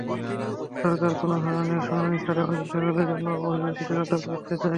সরকার কোনো ধরনের শুনানি ছাড়াই অনির্দিষ্টকালের জন্য অভিবাসীদের আটক রাখতে চায়।